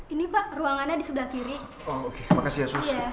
ini pak ruangannya di sebelah kiri